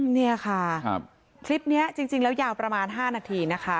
นี่ค่ะคลิปนี้จริงแล้วยาวประมาณ๕นาทีนะคะ